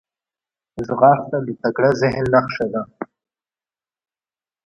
ځغاسته د تکړه ذهن نښه ده